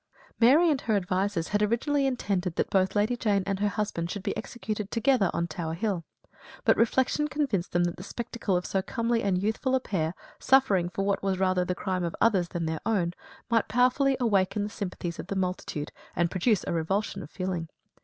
Mary and her advisers had originally intended that both Lady Jane and her husband should be executed together on Tower Hill; but reflection convinced them that the spectacle of so comely and youthful a pair suffering for what was rather the crime of others than their own, might powerfully awaken the sympathies of the multitude, and produce a revulsion of feeling.